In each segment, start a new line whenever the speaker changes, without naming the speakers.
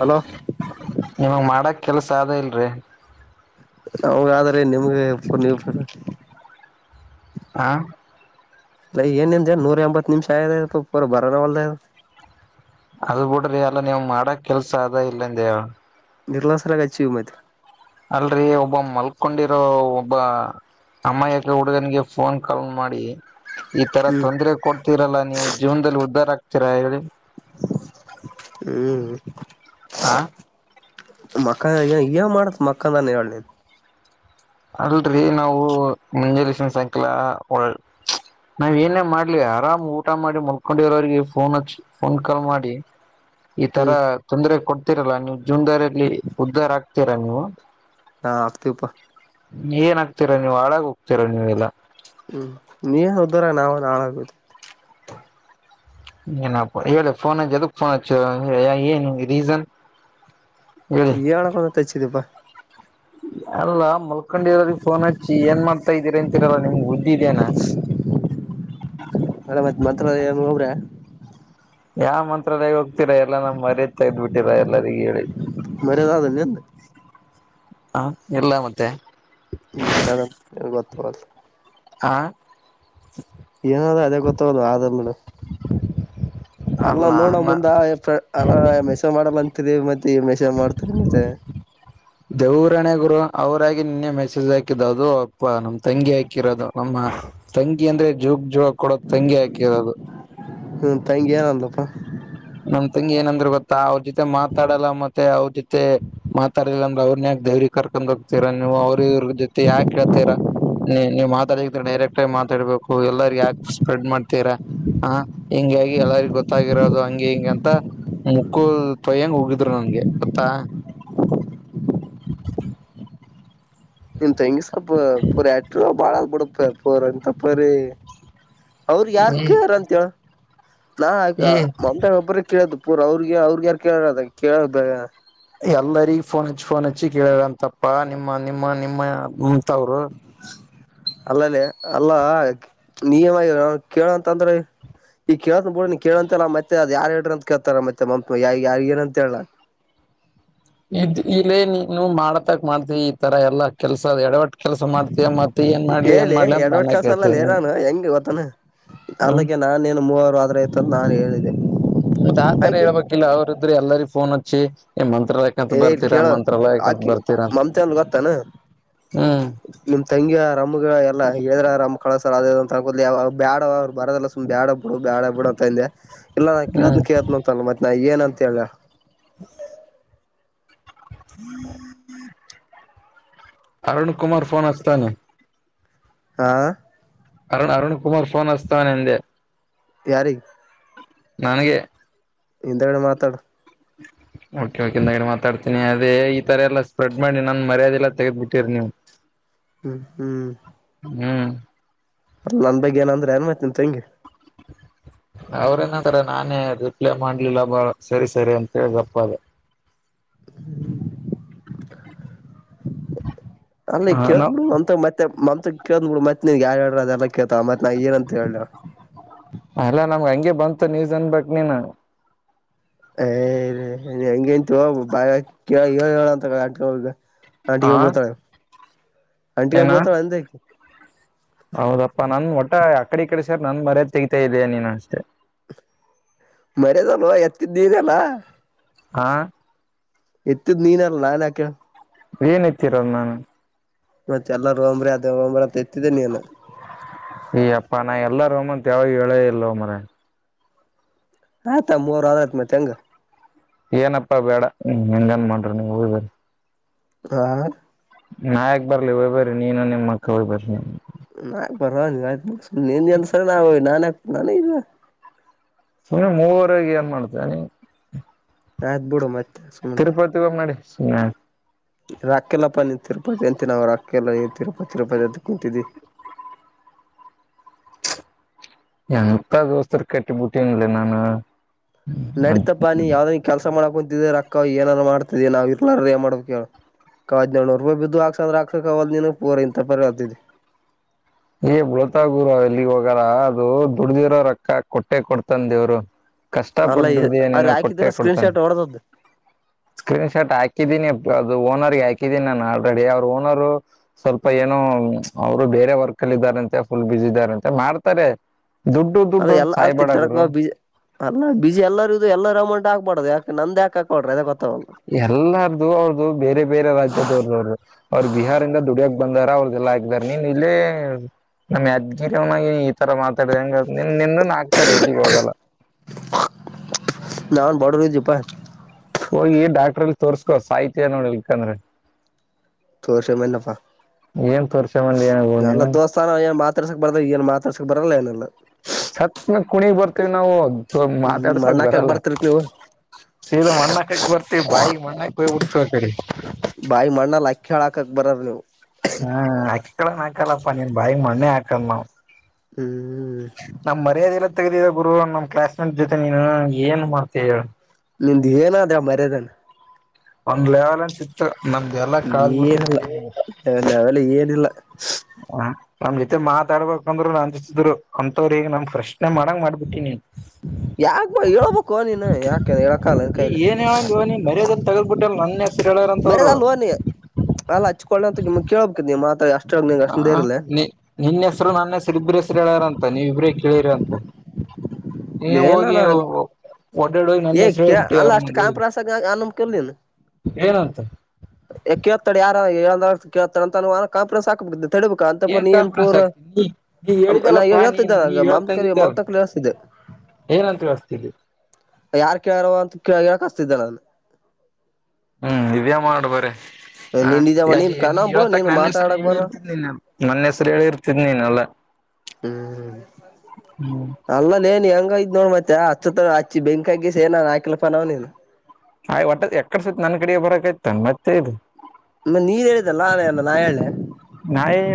Hello
ಮಾಡಕ ಕೆಲಸ ಆದೇ ಇಲ್ರಿ
ನಗಾದ್ರೆ ನಿಮ್ಗೆು ನೀ
ಹ
ಇಲ್ಲ ಏನ ನಿನ್ ನೂರ ಎಂಬತ್ತು ನಿಮಿಷ ಆಯ ಪ ಪೂರ ಬರೋಾರ ಒಲ್ಲದ
ಅದ್ ಬಿಡ್ರಿ ಅಲ್ಲ ನೀವು್ ಮಾಡಕ್ ಕೆಲ್ಸ ಅದ ಇಲ್ಲಂದೇ
ನಿರ್ಲಸ್ರ ಕಚಿಯೂ ಮತ್ತೆ
ಅಲ್ರರಿ ಒಬ್ಬ ಮಲ್ಕೊಂಡಿರೋ ಒಬ್ಬ ತಮ್ಮಯ್ಯ ಗೌಡನಿಗೆ ಫೋನ್ ಕಾಲ್ ಮಾಡಿ ಈ ತರ
ಹ್ಮ್
ತೊಂದ್ರರೆ ಕೊಡ್ತೀರಲ್ಲಾ ನೀವು ಜೀವನದಲ್ಲಿ ಉದ್ಧಾರ ಆ ಚ ಚಿರ ಹೇಳಿ
ಹ್ಮ್
ಹಾ
ಮಕ್ಕಇಲ್ಲೇ ಏನ ಮಾಡತ್ ಮಕ್ಕಂದ ಅಲ್ಲೇ ಹೇಳ ನಿನ್
ಅಲ್ರರಿ ನಾವು ಮುಂಜಾನಸನ್ ಸಾಯಂಕಾಲ ಒ ನಾವ ಏನೇ ಮಾಡ್ಲಿ ಆರಾಮ್ ಊಟ ಮಾಡಿ ಮಲ್ಕೊಂಡಿರೋರಿಗೆ ಫೋನ್ ಹಚ್ಚಿ ಫೋನ್ ಕಾಲ್ ಮಾಡಿ ಈ ತರ
ಹ್ಮ್
ತೊಂದ್ರ ಕೊಡ್ತೀರಲ್ಲ ನೀವು ಜೂನ್ದಾರಲ್ಲಿ ಉದ್ಧಾರ ಹಾಕ್ತೀರಾ ನೀವು
ನಾ ಹಫತಿ ಉಪ್ಪ
ಏನಾಗ್ತೀರಾ ನೀವ್ ಹಾಳಾಗ ಹೋಗ್ತೀರಾ ನೀವೆಲ್ಲ
ಹ್ಮ್ ನೀವ ಹದರ ನಾವ ನಾಳಾಗ
ನಪ್ಪ ಹೇಳಿ ಫೋನ್ ಅದಕ್ ಫೋನ್ ಹಚ್ಚ ಏನು ರೀಸನ್ ಹೇಳಿ
ಈಾಳ ಕೊಣ ತಚ್ಚಿದಪ್ಪಾ
ಅಲ್ಲ ಮಲ್ಕೊಂಡಿರೋರಿಗೆ ಫೋನ್ ಹಚ್ಚಿ ಏನ್ ಮಾಡ್ತಾ ಇದ್ದೀರಿ ಅಂತರಲ್ಲ ನಿಮ್ ಬುದ್ದಿದೇನಾ
ಮಡ ಮತ್ ಮಂತ್ರ ಏನು ಹೋಗ್ರ
ಯಾವ ಮಂತ್ರಾಲಯ ಹೋಗ್ತೀರಾ ಎಲ್ಲಾ ನಮ್ ಮರ್ಯದ ತೆಗೆದ್ ಬಿಟ್ಟಿರಾ ಎಲ್ಲರಿಗ ಹೇಳಿ
ಮರ್ಯದ ಆದದಲ್ಲಿ ಎ್ದ
ಹ ಎಲ್ಲ ಮತ್ತೆ
ಇನ್ನಾದ ಗೊತ್ತವಲ್ಲ
ಹ
ಏನಾದ ಅದೇ ಗೊತ್ತಾಗದು ಆದಲ್ಡ ಅಲ್ಲ ನೋಡ ಮುಂದ ಅ ಮೆಸ ಮಾಡಲ್ಲ ಅಂತಿದೀವಿ ಮೆ ಮಷ ಮಾಡ್ತರಿ ಮತ್ತೆ
ದೇವರಣೆ ಗುರು ಅವರಾಗಿ ನಿನ್ನೆ ಮೆಸೇಜ್ ಹಾಕಿದ್ ಅದು ಅಪ್ಪ ನಮ್ ತಂಗಿ ಹಾಕಿರೋದು ನಮ್ಮ ತಂಗಿ ಅಂದ್ರೆ ಜ ಗ್ ಜೋಳ ಕೂಡ ತಂಗಿ ಹಾಕಿರದು
ಹ್ಮ ತಗೆ ಏನ ಅಂದಪ್ಪಾ
ನಮ್ ತಂಗಿ ಏನಂದ್ರ ಗೊತ್ತಾ ಅವ್ರ ಜೊತೆ ಮಾತಾಡಲ್ಲ ಮತ್ತೆ ಅವ್ರ ಜೊತೆ ಮಾತಾಡಲ್ಲ ಅಂದ್ರೆ ಅವ್ರ ದೇವ್ರಿಗೆ ಕರ್ಕೊಂಡ್ ಹೋಗ್ತೀರಾ ನೀವು ಅವ್ರ್ರ ಜೊತೆ ಯಾಕ ಕೇಳ್ತೀರಾ ನೀ ನೀವ್ ಮಾತಾಡ ಡೈರೆಕ್ಟ್ ಆಗಿ ಮಾತಾಡ್ಬೇಕು ಎಲ್ಲರಿಗ ಯಾಕೆ ಸ್ಪ್ರೆಡ್ ಮಾಡ್ತೀರಾ ಹ ಹಾಗಿ ಎಲ್ಲರಿಗ ಗೊತ್ತಾಗಿರೋದು ದು ಹಂಗೆ ಹಿಂಗ ಅಂತ ಮುಕ್ಕು ಪಯ್ಯಂಗ ಹೋಗಿದ್ರು ನನ್ಗೆ ಗೊತ್ತಾ
ಹ [inaudible] ನಿಮ ತಂಗಿ ಸ್ವಪ ಪೂರ್ ಎಟ ಬಾಳ ಬಿಡಪ ಪೂರ ಎಂತ ಪರಿ ಅವ್ರ ಯಾರ್
ಹ್ಮ್
ಕೇಳಾರ ಅಂತೇಳ ನಾ
ಹ್ಮ್
ಮಮ ಒಬ್ಬ್ರ ಕೇಳೋದ ಪೂರ್ ಅವ್ರಿಗೆ ಅವ್ರಗ ಯಾರ ಕೇಳಾರ ಅದ ಕೇಳೋ ಬೇ
ಎಲ್ಲರಿಗ ಫೋನ್ ಹಚ್ಚಿ ಫೋನ್ ಹಚ್ಚಿ ಕೇಳಾರಂತಪ್ಪ ನಿಮ್ಮ ನಿಮ್ಮ ನಿಮ್ಮ ಮಂತವರು
ಅಲ್ಲಲ್ಲಿೇ ಅಲ್ಲಾ ನಿಯಮ ಇ ನ ಕೇಳಂತ ಅಂದ್ರೆ ಈಗ ಕೇಳಸ ಬ ಬಿಡ ನೀನ್ ಕೇಳ ಅಂತೆಂತಲ್ಲ ಮತ್ತೆ ಅದ ಯಾರ್ ಹೇಳ್ರಿ ಅಂತ ಕೇಳ್ತಾರ ಮತ್ತೆ ಮಮ ಯ ಯಾರ್ ಏನ ಅಂತ ಹೇಳ ಹ [inaudible]
ಇದ್ ಇಲ್ಲೇ ನೀನು ಮಾಡ್ತಕ್ ಮಾಡ್ತಿ ಈ ತರ ಎಲ್ಲಾ ಕೆಲ್ಸದ ಎಡವಟ್ ಕೆಲಸ ಮಾಡ್ತೀಯ ಮತ್ತೆ ಏನ್ ಮಾಡ್ಲಿ ಏನ್
ಹೇಳಿ
ಮಾಡ್ಲಿ ಅಂತ
ಎಡವಟ್
ನಾನೇ
ಕೆಲ್ಸ
ಕೇಳ್ತೇ
ಅಲ್ಲಲ್ಲ ನಾನು ಹೆಂಗ ಅಲ್ಲಗೆ ನಾನೇನು ಮೂವರು ಆದ್ರ ಆಯತ ಅಂತ ನಾನು ಹೇಳಿದ್ದೆ
ಮತ್ತತ್ ಆತರ
ಆಕಿ
ಹೇಳ್ಬೇಕಿಲ್ಲ ಅವ್ರ ಇದ್ರೆ ಎಲ್ಲರಿ ಫೋನ್ ಹಚ್ಚಿ ಮಂತ್ರಾಲಯಕ್ಕಂತ
ಏ
ಬರ್ತೀರಾ
ಕೇಳ
ಮಂತ್ರಾಲಯಕ್ಕಂತ
ಆಕಿ
ಬರ್ತೀರಾ ಅಂತ
ಮಮತಲ್ ಗೊತ್ತಾನ
ಹ್ಮ್
ನಿಮ ತಂಗಿಯ ರಮ್ಮಗ ಯ ಅಲ್ಲ ಹೇಳಿದ್ರಮ್ಮ ಕಳಸರ್ ಅ ಅಂತ ಅನ್ಕೋ ಬಡ ಅವ್ರು ಬರದಲ್ಲ ಸು್ ಬ್ಯಾಡ ಬಿಡು ಬ್ಯಾಡ ಬಿು ಅಂತಂದೆ ಇಲ್ಲ ನಾ ಕೇಳಿದ್
ಹ್ಮ್
ಕೇಳಳ್ನ ಅಂತಲ್ಲ ಮತ್ತೆ ನಾ ಏನ ಅಂತ ಹೇಳ
ಹ [inaudible] ಅರುಣ ಕುಮಾರ್ ಫನ್ ಅತಾನ
ಆ
ಅರುಣ್ ಅರುಣ್ ಕುಮಾರ್ ಫೋನ್ ಅಸ್ವನೆಂದೆ
ಯಾರಿ
ನನಗೆ
ಇಂದ್ರಡು ಮಾತಾಡು
ಓಕೆ ಓಕೆ ನಾ ಇನ್ನ ಮಾತಾಡ್ತೀನಿ ಅದೇ ಈ ತರ ಎಲ್ಲ ಸ್ಪ್ರೆಡ್ ಮಾಡಿ ನನ್ ಮರ್ಯಾದೆಲ್ಲ ತೆಗೆಗ್ಬಿಟ್ಟಿರಿ ನೀವು
ಹ್ಮ್
ಹ್ಮ್
ಅ ನನ್ ಬಗ್ಗೆ ಏನ ಅಂದ್ರೆ ಏನ್ ಮತನ್ ತಂಗಿ
ಅವ್ರೇನಂತಾರೆ ನಾನೇ ರಿಪ್ಲೈ ಮಾಡ್ಲಿಲ್ಲ ಬಾಳ ಸರಿ ಸರಿ ಅಂತ ಹೆಪ್ ಅದೆ
ಅಲ್ಲ
ಹ
ಕೇಳ್ತೀನಿ
ನಾವ್
ಬಿಡು ಅಂತ ಮತ್ತೆ ಮತ್ತೆ [unintelligible] ಕೇಳ್ ಬಿಡು ಮತ್ [unintelligible] ಅದೆಲ್ಲ ಕೇಳ್ತ ಮತ್ ನಾ ಏನಂತ ಹೇಳಲೀ ಹೇಳ್
ಅಲ್ಲಾ ನಮ್ಗೆ ಹಂಗೆ ಬಂತು ನೀವುಜನ್ ಬಟ್ ನೀನು
[unintelligible] ಹೆಂಗೇಂತ ಹೋಗ ಬಾಯಾಗ ಹೇಳ ಹೇಳಂತ ನಾಟ್ಕ ಅವ್ಳದು
ಆ
ಆಂಟಿಗೋ ಬುಡ್ತಾಳೆ ಆಂಟಿಕೊ
ಏನ
ಬುಡ್ತಳೆ ಅಂದೆ ಆಕ್
ಹೌದಪ್ಪಾ ನನ್ ಮಟ್ಟ ಅಕಡೆ ಈ ಕಡೆ ಸೆರ್ ನನ್ ಮರ್ಯದ್ ತೆಗೀತಾಯಿದಿಯ ನೀನು ಅಷ್ಟೆ
ಮರ್ಯಾದೆ [unintelligible]
ಆ
ಎತ್ತಿದ್ ನೀನೆ ಅಲ್ ನಾನ್ ಯಾಕ್ ಹೇಳು
ಏನ್ ಏತಿರೋದು ನಾನು
ಮತ್ತೆ ಯಲ್ಲ [unintelligible] ಎತ್ತಿದೆ ನೀನು
ಅಯ್ಯಪ್ಪ ನಾ ಎಲ್ಲಾರೂಮ್ ಅಂತ ಹೇಳೇ ಇಲ್ಲೊ ಮರಯಾ
ಆಯ್ತಾ ಮೂರ್ ವಾರ ಆಯ್ತ್ ಮತ್ ಹೆಂಗ್
ಏನಪ್ಪಾ ಬೇಡ ಇನ್ನೇನ್ [unintelligible] ನಿವ್ ಹೋಗಿ ಬರ್ರಿ
ಹಾ
ನಾ ಯಾಕ್ ಬರ್ಲಿ ಹೋಗ್ಬರ್ರಿ ನೀನು ನಿಮ್ಮ ಅಕ್ಕ ಹೋಗಿ ಬರ್ರಿ
[unintelligible]
ನಿಮ್ ಊರಗೆ ಏನ್ ಮಾಡ್ತೇನಿ
ರಾತ್ ಬುಡೋ ಮತ್
ತಿರುಪತಿ ಹೋಗ್ ನಡಿ ಸುಮ್ನೆ ಯಾಕ್
ರಾಕ್ಕೆಲ್ಲಪ್ಪಾ ನಿ ತಿರುಪತಿ ಅಂತಿ ರಾಕ್ಕೆಲ್ಲ ಏನ್ ತಿರುಪತಿ ತಿರುಪತಿ ಅಂತ್ ಕುಂತಿದ್ದಿ [inaudible]
ಯಂಕ ದೋಸರು ಕಟ್ಟಿಬಟ್ಟೀನ್ ಲೆ ನಾನು ಅದ್
ನಡೀತಪ್ಪಾ ನೀ ಯಾವ್ದನ್ ಕೆಲಸ ಮಾಡಕ್ ಕುಂತಿದ ರೊಕ್ಕ ಏನಾದಾರ ಮಾಡ್ತದ ನಾವ್ ಇರ್ಲಾರ ಏನ್ ಮಾಡ್ಬೇಕು ಹೇಳು ಹಡನೇಳು ರೂಪಾಯಿ ಬಿದ್ದು ಹಾಕ್ಸಂದ್ರ ಆಕ್ಸ ಕವಲ್ದು ಪೂರ್ [unintelligible]
ಎ ಉಳ್ಳಾತಾಯ [unintelligible] ದುಡ್ದಿರೋ ರೊಕ್ಕ ಕೊಟ್ಟೆ ಕೊಡ್ತನ್ ದೇವ್ರು ಕಷ್ಟ
ಅಲ್ಲ
ಪಟ್ ದುಡ್ದಿಯಾ ನೀನು
ಅವ್ರಿಗೆ
ಕೊಟ್ಟೆ
ಹಾಕಿದ್ದಿಲ್ಲ ಸ್ಕ್ರೀನ್
ಕೊಡ್ತಾನೆ
ಶಾಟ್ ಹೊಡದದ್ದು
ಸ್ಕ್ರೀನ್ ಶಾಟ್ ಹಾಕಿದ್ದೀನಿ ಅದು ಓನರ್ ಪೆ ಹಾಕಿದೀನಿ ನಾನು ಆಲ್ರೆಡಿ ಅವರು ಓನರ್ರು ಸ್ವಲ್ಪ ಏನು ಅವ್ರು ಬೇರೆ ವರ್ಕ್. ಕಲ್ದಾರಂತೆ ಫುಲ್ ಬಿಸ ಇದಾರಂತೆ ಮಾಡ್ತಾರೆ ದುಡ್ಡು
[unintelligible]
ದುಡ್ಡು ಅಂತ ಸಾಯ್ಬೇಡ ಗುರು
ಹಾಕ್ಬಾರದು ಯಾಕ್ಂದ ನಂದ್ [unintelligible]
ಎಲ್ಲಾರ್ದು ಅವ್ರ್ದ ಬೇರೆ ಬೇರೆ ರಾಜ್ಯದವ್ರ ಅವರು ಅವ್ರರು ಬಿಹಾರಿಂದ ದುಡಿಯ. ಬಂದಾರ ಅವ್ರಗೆಲ್ಲ ಹಾಗ್ದಾರ ನೀನ್ ಇಲ್ಲೆ ನಮ್ ಯದ್ಗಿರಿನಾಗ ಈ ತರ ಮಾತಾಡಿದಂಗ ನಿನಿಂದು ಹಾಕ್ತಾರೆ ಎಲ್ಲಿಗ್ ಹೋಗಲ್ಲ
ನಾನ್ ಬಡವಿಯಿದ್ದೆಪ್ಪ
ಹೋಗಿ ಡಾಕ್ಟ್ರಲ್ಲಿ ತೋರ್ಸ್ಕೋ ಸಾಹಿತ್ಯ ನೋಡ್ಲಿಕಂದ್ರೆ
ತೋರಿಸ್ಕೊಂಡು ಬಂದೇನಪ್ಪ
ಏನ್ ತೋರ್ಸಮಂದಿ ಏನಾಗು
ಎಲ್ಲಾ
ನೀನು
ದೋಸ್ತಾನು ಏನ್ ಮತ್ [unintelligible] ಮಾತಾಡ್ಸಕ್ಕೆ ಬರಲ್ಲ ಏನಲ್ಲ
ಸತ್ ಮೇಲೆ ಕುಣಿಯಕ್ ಬರ್ತೀವಿ ನಾವು ಸೊಲ್
ಹ್ಮ್
ಮಾತಾಡ್ಸಕ್
ಮಣ್ಣಾಕಕ್
ಬರಲ್ಲ
ಬರ್ತಿರ್ತ್ ನೀವು
ಸೀದಾ ಮಣ್ಣ ಕಟ್ ಬರ್ತಿವಿ ಬಾಯಗ್ ಮಣ್ಣಾಕ್ ಹೋಯಿಬಿಡ್ತೀವಿ ಸೋತೆರಿ
ಬಾಯಿ ಮಣ್ಣಲ್ ಅಕ್ಕಿ ಹೇಳಾಕಕ್ ಬರವರು ನೀವು
ಹ ಹಾಕಲ್ಲಪ್ಪ ನೀನ್ ಬಾಯಿ ಮಣ್ಣೆ ಹಾಕಲ್ ನಾವು
ಹ್ಮ್
ತಗದಿದೆ ಬ್ರೂ ನಮ್ ಕ್ಲಾಸ್ ಮೇಟ್ ಜೊತೆ ನೀನು ಏನ್ ಮಾಡ್ತೀಯ ಹೇಳು
ನಿಂದ ಏನಾದೆ ಮರ್ಯದನ
ಒಂದ್ ಲೆವೆಲ್ ಅಂತ ಇತ್ತು ನಮ್ದು ಎಲ್ಲ
ಏನಲ್ಲ
ಕಳೆದುಬಿಟ್ಟೆ ಏನಿಲ್ಲ
ಇಲ್ಲ ಅವೆಲ್ಲ ಏನಿಲ್ಲ
ಹ ನಮ್ ಜೊತೆ ಮಾತಾಡ್ಬೇಕಂದ್ರು ಅಜ್ಜಿತಿದ್ರು ಅಂಂತವ್ರ ಈಗ ನಮ್ ಪ್ರಶ್ನೆ ಮಾಡಂಗ ಮಾಡ್ಬಿಟ್ಟನಿ ಹ್ಮ
ಯಾಕ್ ಹೇಳಳ್ಬೇಕು ನೀನ್ ಯಾಕ ಹೇಳಕ್ಕೆ ಆಗಲ್ಲ ನಿನ್ನ
ಈ
ಕೈಯಲ್ಲಿ
ಏನ್ ಹೇಳಂದ್ ನೀನ್ ಮರ್ಯಾದೆಲ್ ತಗದ್ಬಿಟ್ಟಲ್ ನನ್ನ ಹೆಸರು ಹೇಳಾರಂತವ್ರು
ನಿನ್ ಅಲ್ಲ ಹಚ್ಕೊಳ್ಳೋ ಅಂತ ನಿಮ್ ಕೇಳಳ್ಬೇಕ ನೀ ಮತ್
ಹ ನಿ ನಿನ್ನ ಹೆಸರು ನನ್ನ ಹೆಸರು ಇಬ್ಬರು ಹೇಳರಂತ ನೀವ ಇಬ್ರೇ ಕೇಳಿರಂತ ನೀ ಹೋಗಿ
ಇಲ್ಲೇನಾನ
ಓಡಾಡಿ ಹೋಗಿ ನನ್ನೆ
ಏ
ಹೆಸರು
ಕೇ
ಹೇಳಿಬಿಟ್ಟಿಯ
ಅಲ್ಲ
ಅವ್ರ್
ಅಷ್ಟು
ಮುಂದೆ ಹೋಗಿ
ಕಾನ್ಫರೆನ್ಸ್ ಆಗಿ
ಏನಂತ
ಯ ಕೇಳ್ತಾರೆ ಯಾರ ಹೇಳಿದವರು ಕೇಳ್ತಾರೆ ಅಂತ ಕಂಪ್ರೆನ್ಸ್ ಹಾಕ್ಬ ಬಿಟ್ಟಿದ್ದೆ ತಡಿಬೇಕು ಅಂತ ಪರೀ
ಏನ್
ನೀನ್
ಕಾನ್ಫಿಡೆನ್ಸ್
ಪೂರ
ಆಗ್ತಿ ನೀ ನೀ
ನಾನ್ ನಾನ್
ಹೇಳಿದಲ್ಲಪ್ಪಾ ನೀ
ಹೇಳ್ತಿದೆ
ನೀ
ಮಾಮ
ಹೇಳ್ತಂಗಿದ್ದಲ್ಲ
ಮಾಮತ ಕೈಯಲ್ಲಿ ಹೇಳಿಸ್ತಿದ್ದೆ
ಏನಂತ ಹೇಳ್ತಿದಿ
ಯಾರ್ ಕೇಳಾರವ ಅಂತ ಹೇಳಿಸಕಳಿಸ್ತಿದೆ ನಾನು
ಹ್ಮ್ ಇದೆ ಮಾಡ್ ಬಾರಿ
ನಿನ್ ಇದಾವ ನೀನ್
ಅಲ್ಲಿ
ಕಣ ಬಿಡು ನೀನ್
ನನ್ನ ಹೆಸರು
ಮಾತಾಡಕ್ ಬರ
ಹೇಳಿರ್ತಿ ನೀನು ನನ್ನ ಹೆಸರು ಹೇಳಿರ್ತಿ ನೀನ್
ಹ್ಮ್
ಹ್ಮ್
ಅಲಲ್ಲೇ ನೀನು ಹೆಂಗ್ ನೋಡ್ ಮತ್ತೆ ಹಚ್ಚತ್ರ ಹಚ್ಚಿ ಬೆಂಕಿ ಹಾಕಿ ಸೇನ ಹಾಕಿಲಪ್ಪ ನಾವ್ನನ್
ಆಯ್ ಒಟ್ಟದ ಎಕಡೆ ಸತ್ ನನ್ ಕಡೆ ಬರಾಕೈತ ಮತ್ತೆ ಇದು
ನೀನು ಹೇಳಿದಲ್ಲ ನಾನ್ ಹೇಳೆಲೆನು
ನಾ ಏನ್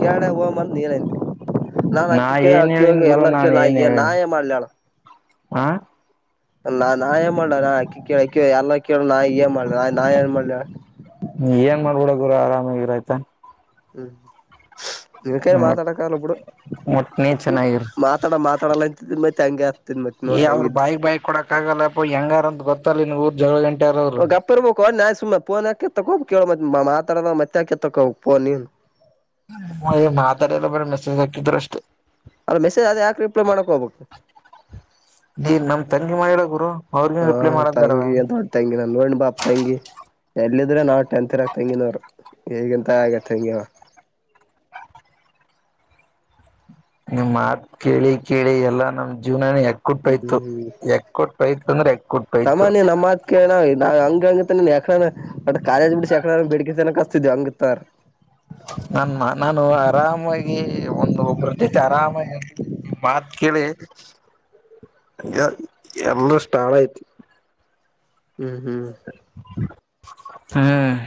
ಕೇರಳಕೆ ಹೋಗನು ಅಂತ ನೀನೇ ಹೇಳಿದೆ
ಹೇಳಿನಿ
ನಾನ್
ನಾ
ಅಕ್ಕಿ
ಏನ್ ಹೇಳಿನಿ ಗುರು
ಕೇಳಿಎಲ್ಲಾರ
ನಾನ್ ಏನ್
ಕೇಳಲನ್ ನಾನ್
ಹೇಳಿನಿ
ಏನ್ ಮಾಡ್ಲಿ ಹೇಳು
ಹ
ನಾ ನಾ ಏ ಮಾಡ್ ನಾ ಅಕ್ಕಿ ಕೇಳ ಎಲ್ಲ ಕೇಳ ನಾ ಏ ಮಾಡ್ಲ ನ ನಾ ಏನ್ ಮಾಡ್ಲ
ಇರೈತ
ಹ್ಮ್ ನಿನ್ನ ಕೈಯಲ್ಲಿ
ಒಟ್ಟ
ಮಾತಾಡಕ್ಕಲ್ಲ ಬಿಡು
ಒಟ್ ನೀ
ಹ್ಮ್
ಚೆನ್ನಾಗಿರು
ಮಾತಾಡ ಮಾತಾಡಲ್ಲ ಹಂಗೆ ಆಗ್ತಿದ್ ಮತ್
ಏ
ನೋಡ್
ಅವ್ರು
ಹೆಂಗಿದ್ದಿ
ಬಾಯಕ್ ಬಾಯಕ್ ಕೊಡಕ್ ಆಗಲ್ಲಪ್ಪ ಹೆಂಗಾರಂತ ಗೊತ್ತಲ್ಲನ್ ಊರ್ ಜಗಳ ಗಂಟ
ಓಹೋ ಗಪ್ಪೆಯಿರಬೇಕು ಸುಮ್ನೆ ಸುಮ್ಮ್ನೆ ಪೋನ್ ಯಾಕೆ ಏತೋಕೆ ಹೋಗಬೇಕು ಹೋಗ್ ಕೇಳು ಮತ್ತೆ ಮಾತಾಡಲ್ಲ ಮತ್ತೆ ಯಾಕೆ ಏತೋಕೆ ಹೋಗಬೇಕು ಫೋನ್ ನೀನು
ಹೇ ಮಾತಡಿಲ್ಲ ಬಿಡು ಬರಿ ಮೆಸೇಜ್ ಹಾಕಿದ್ರು ಅಷ್ಟೇ
ಅಲ್ಲ ಮೆಸೇಜ್ ಅದ ಯಾಕೆ ರಿಪ್ಲೈ ಮಾಡಕ ಹೋಗ್ಬೇಕು
ನೀ ನಮ್ ತಂಗಿ ಮಾಡಿಲ್ಲ ಗುರು ಅವ್ರಿಗ
ಹಾ
ರಿಪ್ಲೈ ಮಾಡಕ್ ಬರಲ್ಲ
ತಂಗಿ ತಂಗಿ ನಅಂತಾನಾನು ತಂಗಿ ಎಲ್ಲಿದ್ರೆ ನಾವು ಟೆಂತ್ರಕ ತಂಗಿನೇನವರು ಹೇಗಿಂತ ಆಗತ್ ಹತಂಗಿಯವ್ವ [inaudible]
ನಿಮ್ ಮತ್ ಕೇಳಿ ಕೇಳಿ ಎಲ್ಲಾ ನಮ್ಮ ಜೀವನನೇ ಏಕ್ ಯಕ್ಕುಂಟೋಯ್ತು
ಹ್ಮ್
ಯಕ್ಕುಂಟೋಯ್ತು ಅಂದ್ರೆ ಯಕ್ಕುಂಟೋಯ್ತು
ಇರ್ತಿದ್ದೆ ಅಂದ್ರೆ ಯಕ ಕಾಲೇಜ್ ಬಿಟ್ಟ [unintelligible]
ನಮ್ಮ ನಾನು ಆರಾಮಾಗಿ ಒಂದ ಒಬ್ಬರ ಜೊತೆ ಆರಾಮಾಗಿ ಮಾತ್ ಕೇಳಿ ಎಲ್ಲ ಹಾಳಾಯ್ತು
ಹ್ಮ್ ಹ್ಮ್
ಹ್ಮ್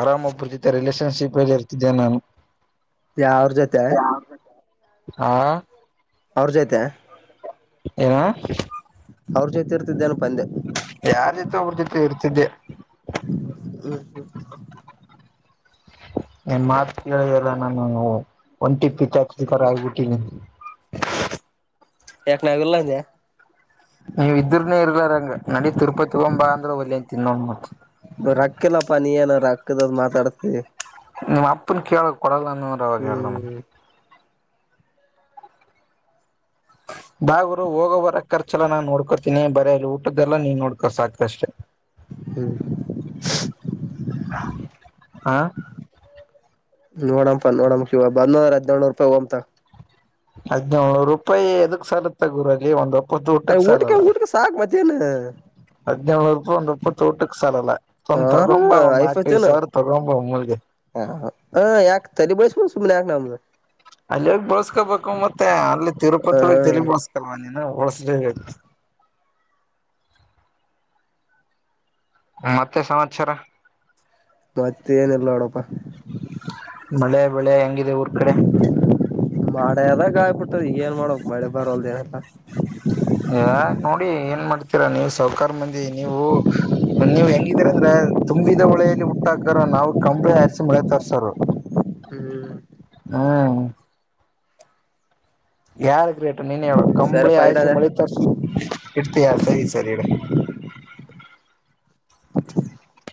ಆರಾಮ ಒಬ್ಬರು ಜೊತೆ ರಿಲೇಷನ್ಶಿಪ್ ಅಲ್ಲಿ ಇರ್ತಿದ್ದೆ ನಾನು
ಯಾರ್ ಜೊತೆ
ಹಾ
ಅವ್ರ ಜೊತೆ
ಏನು
ಅವ್ರ ಜೊತೆ ಇರ್ತಿದೇನಪ್ಪ ಅಂದೇ
ಯಾರ್ ಜೊತೆ ಒಬ್ಬರು ಜೊತೆ ಇರ್ತಿದ್ದೆ
ಹ್ಮ್ ಹ್ಮ್
ನೀನ್ ಮಾತು ಕೇಳಿದಿದ್ರೆ ನಾನು ಒಂಟಿ ಪಿಚಾತಿ ತರ ಆಗ್ಬಿಟ್ಟೆ ಹ್ಮ್
ಯಾಕ್ ನಾವು ಇಲ್ಲ ಅಂದ್ಯಾ
ನೀವ್ ಇದ್ರನೆೇ ಇರ್ಲಾರಂಗ ನೆಡಿ ತಿರುಪತಿಗೆ ಹೋಗೋಣ ಬಾ ಅಂದ್ರೆ ಒಲ್ಲೆ ಅಂತೀಯಾ ನೋಡು ಮತ್ತೆ
[inaudible] ದ ಮಾತಾಡ್ತೆ
ನಿಮ್ಮ ಅಪ್ಪನ್ ಕೇಳಕ್ ಕೊಡಲ್ಲ ಅಂದಂದ್ರೆ ಅವಾಗ ಹೇಳ್ದಣ
ಹ್ಮ್ [inaudible]
ಬಾ ಗುರು ಹೋಗೋವರ ಖರ್ಚೆಲ್ಲ ನಾನ್ ನೋಡ್ಕೋತೀನಿ ಬರೇ ಅ ಊಟದ್ದೆಲ್ಲಾ ನೀನ್ ನೋಡ್ಕೋ ಸಾಕುಷ್ಟೆ.
ಹ್ಮ್ [inaudible]
ಹಾ
ನೋಡಪ ನೋಡಮ ಕ ಇವ ಬಂದ್ರ ಹದಿನೇಳಳ್ನೂರು ರೂಪಾಯಿ ಹೋಗಂತ.
ಹದ್ನೇಳನೂರು ರೂಪಾಯಿ ಎದಕ್ ಸಾಲುತ್ತೆ ಗುರಲ್ಲಿ ಒಂದು
ಅ ಊಟಕ ಊಟಕ ಶಕ ಮತ್ತೇನು.
ಹದಿನೇಳನ ರೂಪಿ ರೂಪಾಯ ಒಂದು ಒಪ್ಪತ್ತು ಸಾಲಲ್ಲ ಒಂದ್ ತೊಗೊಂಬ ಒಂದ ನಾಕೈದು ಸಾವಿರ ತಗೊಂಬ ಮುಲ್ಗೆ.
ಹ ಹ ಯಾಕ ತ ಬಳಸ ಸುಮನೆ ಯಕ ನ [unintelligible]
ಅಲ್ಲಿ ಹೋಗಿ ಬಳಸ್ಕೋಬೇಕು ಮತ್ತೆ ಅಲ್ಲಿ
ಹ
ತಿರುಪತಿ ಹೋಗಿ ತಲಿ ಬೋಳಸ್ಕ. ಹಳಸ [inaudible] ಮತ್ತೆ ಸಮಾಚಾರ
ಮತ್ತೆ ಏನಲ್ಲ ನೋಡಪ
ಮಳೆ ಬೆಳೆ ಹೆಂಗಿದೆ ಊರ್ ಕಡೆ
ದದಾಗ ಆಯ್ಬಿಟ್ಟದ ಏನ್ ಮಾಡೋ ಮಳೆ ಬರಲ್ದೇನಲ್ಲ.
ನೋಡಿ ಏನ್ ಮಾಡ್ತೀರಾ ನೀವು ಸಹಕಾರ ಮಂದಿ ನೀವು ನೀವ್ ಹೆಂಗಿದೀರ ಅಂದ್ರೆ. ತುಂಬಿದ ಒಳೆಯಲ್ಲಿ ಹುಟ್ಟಾಕರ ನಾವು ಕಂಬಳ ಹಾರಸಿ ಮಳೆ ತರ್ಸೋರು
ಹ್ಮ್ [inaudible]
ಹ್ಮ್ ಯಾರ ಕ ರೀಟ ನೀನ ಯ ಕಂಬಳಿ
ಸರಿಪ
ಆಯಿಸಿ
ಇಡದ
ಮಳಿ ತರಿಸ ಇತ. ಹೇ ಸರಿ ಇಡಿ
ಹ [unintelligible]